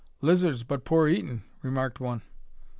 "Lizard's but poor eatin'," remarked one.